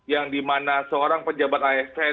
yang dimana seorang pejabat asn